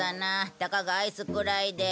たかがアイスくらいで。